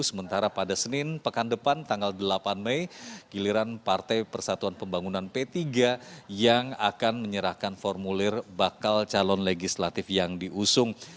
sementara pada senin pekan depan tanggal delapan mei giliran partai persatuan pembangunan p tiga yang akan menyerahkan formulir bakal calon legislatif yang diusung